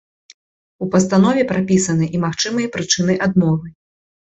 У пастанове прапісаны і магчымыя прычыны адмовы.